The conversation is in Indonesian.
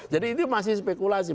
jadi itu masih spekulasi